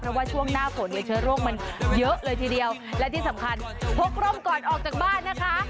เพราะว่าช่วงหน้าฝนเนี่ยเชื้อโรคมันเยอะเลยทีเดียวและที่สำคัญพกร่มก่อนออกจากบ้านนะคะ